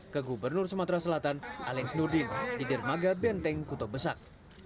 ke gubernur sumatera selatan alengs nurdin di dermaga benteng kutobesak